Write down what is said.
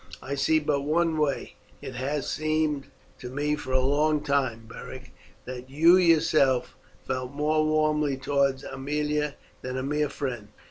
I see but one way. It has seemed to me for a long time, Beric, that you yourself felt more warmly towards Aemilia than a mere friend.